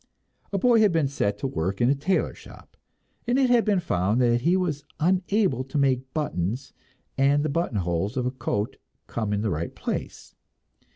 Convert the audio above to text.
A boy had been set to work in the tailor shop, and it had been found that he was unable to make the buttons and the buttonholes of a coat come in the right place.